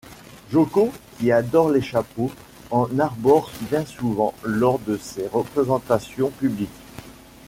Joko qui adore les chapeaux en arbore bien souvent lors de ses représentations publiques.